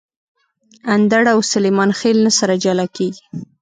اندړ او سلیمان خېل نه سره جلاکیږي